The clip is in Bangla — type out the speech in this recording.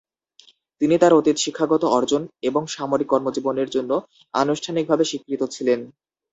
তিনি তার অতীত শিক্ষাগত অর্জন এবং সামরিক কর্মজীবনের জন্য আনুষ্ঠানিকভাবে স্বীকৃত ছিলেন।